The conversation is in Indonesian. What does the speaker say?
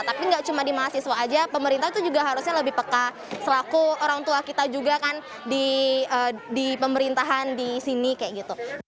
tapi nggak cuma di mahasiswa aja pemerintah itu juga harusnya lebih peka selaku orang tua kita juga kan di pemerintahan di sini kayak gitu